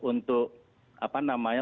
untuk apa namanya